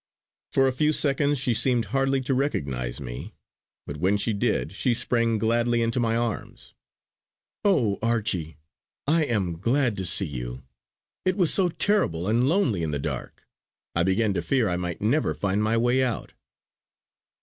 For a few seconds she seemed hardly to recognise me; but when she did she sprang gladly into my arms. "Oh! Archie, I am glad to see you. It was so terrible and lonely in the dark. I began to fear I might never find my way out!"